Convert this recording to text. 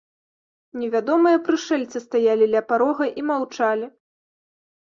Невядомыя прышэльцы стаялі ля парога і маўчалі.